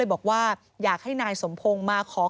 ที่มันก็มีเรื่องที่ดิน